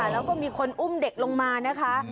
แล้วก็มีคนอุ้มเด็กลงมานะคะ